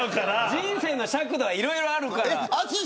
人生の尺度いろいろあるから。